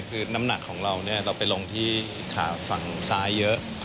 คือน้ำหนักของเราเราไปลงที่ขาฝั่งซ้ายเยอะ